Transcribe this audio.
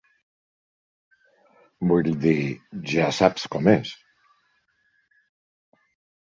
Vull dir... Ja saps com és.